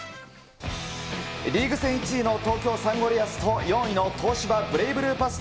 リーグ戦１位の東京サンゴリアスと４位の東芝ブレイブルーパス